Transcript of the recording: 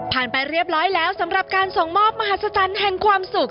ไปเรียบร้อยแล้วสำหรับการส่งมอบมหาศจรรย์แห่งความสุข